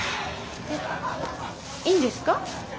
えっいいんですか？